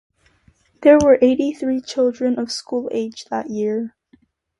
There were eighty-three children of school age that year.